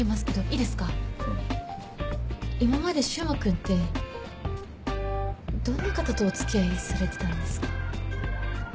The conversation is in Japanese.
今まで柊磨君ってどんな方とおつきあいされてたんですか？